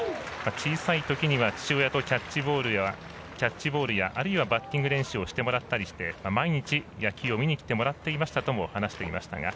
小さいときには父親とキャッチボールやあるいはバッティング練習をしてもらったりして毎日、野球を見に来てもらっていたと話していました。